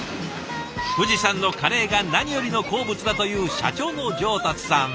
藤さんのカレーが何よりの好物だという社長の上達さん。